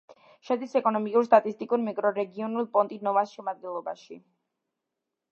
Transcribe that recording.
შედის ეკონომიკურ-სტატისტიკურ მიკრორეგიონ პონტი-ნოვას შემადგენლობაში.